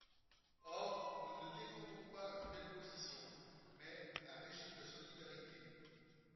Or nous ne défendons pas une telle position, mais un régime de solidarité.